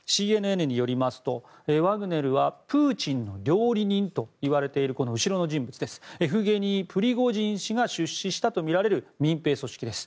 ＣＮＮによりますと、ワグネルはプーチンの料理人といわれているこの後ろの人物エフゲニー・プリゴジン氏が出資したとみられる民兵組織です。